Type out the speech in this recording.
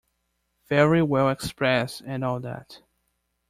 Very well expressed and all that.